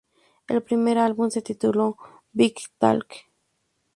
El primer álbum se tituló Big Talk.